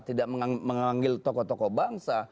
tidak memanggil tokoh tokoh bangsa